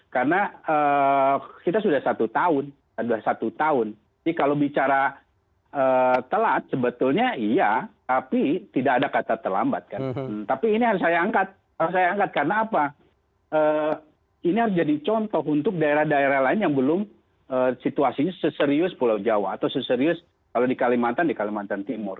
karena kita sudah satu tahun jadi kalau bicara telat sebetulnya iya tapi tidak ada kata terlambat tapi ini harus saya angkat karena apa ini harus jadi contoh untuk daerah daerah lain yang belum situasinya seserius pulau jawa atau seserius kalau di kalimantan di kalimantan timur